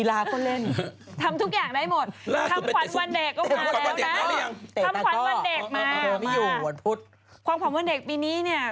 ตามอย่างนี้มีอย่างอื่น